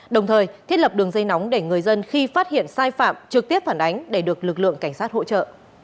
đồng thời thiết lập đường dây nóng để người dân khi phát hiện sai phạm trực tiếp phản ánh để được lực lượng cảnh sát hỗ trợ